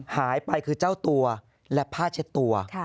หายไปคือเจ้าตัวและผ้าเช็ดตัว